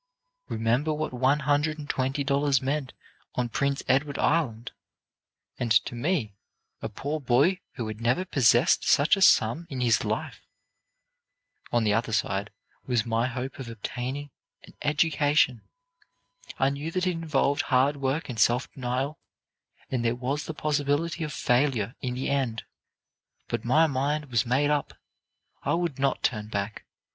Remember what one hundred and twenty dollars meant on Prince Edward Island, and to me, a poor boy who had never possessed such a sum in his life. On the other side was my hope of obtaining an education. I knew that it involved hard work and self denial, and there was the possibility of failure in the end. But my mind was made up. I would not turn back.